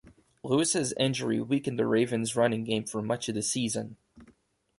Lewis's injury weakened the Ravens running game for much of the season.